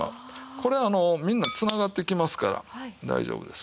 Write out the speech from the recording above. これみんなつながってきますから大丈夫です。